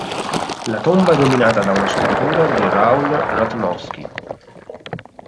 La tomba è dominata da una scultura di Raoul Ratnowsky.